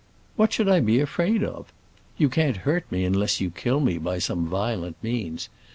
"What should I be afraid of? You can't hurt me unless you kill me by some violent means.